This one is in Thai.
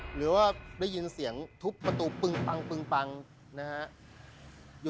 หรือว่าได้ยินเสียงทุบประตูปึงปังปึงปังนะฮะ